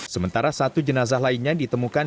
sementara satu jenazah lainnya ditemukan